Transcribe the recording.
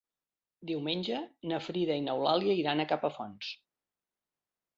Diumenge na Frida i n'Eulàlia iran a Capafonts.